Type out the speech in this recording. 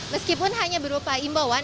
meskipun hanya berupa imbauan